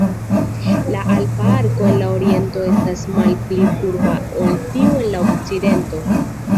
La alpa arko en la oriento estas malpli kurba ol tiu en la okcidento.